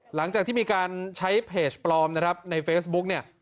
หลังจากที่มีการใช้เพจปลอมนะครับในเฟซบุ๊กเนี่ย